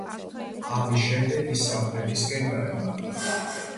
ამის შემდეგ ის სამხრეთისკენ გაემართა.